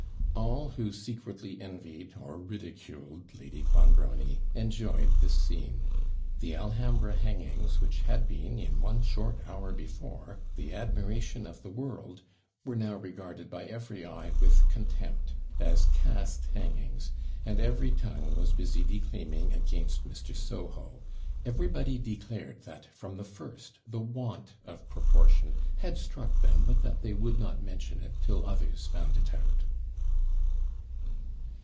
All who secretly envied or ridiculed Lady Clonbrony enjoyed this scene. The Alhambra hangings, which had been, in one short hour before, the admiration of the world, were now regarded by every eye with contempt, as CAST hangings, and every tongue was busy declaiming against Mr. Soho; everybody declared that, from the first, the want of proportion had 'struck them, but that they would not mention it till others found it out.'